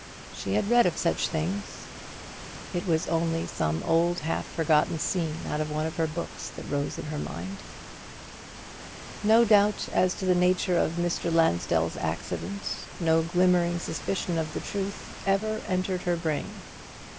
She had read of such things: it was only some old half forgotten scene out of one of her books that rose in her mind. No doubt as to the nature of Mr. Lansdell's accident, no glimmering suspicion of the truth, ever entered her brain.